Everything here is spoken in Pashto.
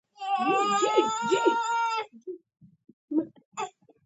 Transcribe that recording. د میوو د جوس جوړولو کوچنۍ ماشینونه کارول کیږي.